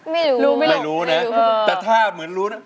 ไม่รู้รู้ไม่รู้นะแต่ถ้าเหมือนรู้นะ